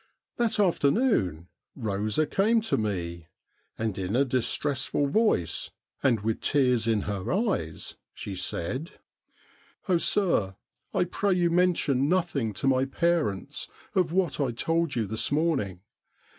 That afternoon Eosa came to me, and in a distressful voice and with tears in her eyes she said :' Oh, sir, I pray you mention nothing to my parents of what I told you this morning.